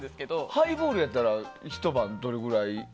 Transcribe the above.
ハイボールやったらひと晩、どれくらい？